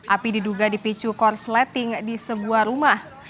api diduga dipicu korsleting di sebuah rumah